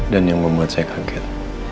dan yang membuat saya kaget